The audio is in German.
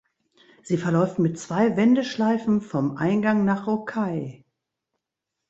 Sie verläuft mit zwei Wendeschleifen vom Eingang nach Rocaille.